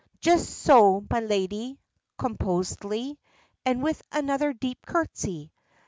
"Just so, my lady," composedly, and with another deep curtsey.